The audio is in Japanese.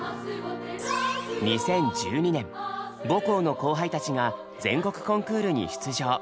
２０１２年母校の後輩たちが全国コンクールに出場。